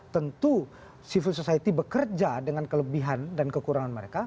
tentu civil society bekerja dengan kelebihan dan kekurangan mereka